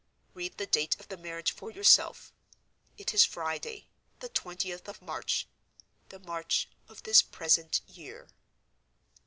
Read the date of the marriage for yourself. It is Friday, the twentieth of March—the March of this present year."